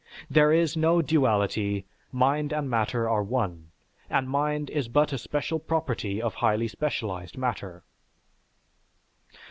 There is no duality, mind and matter are one, and mind is but a special property of highly specialized matter.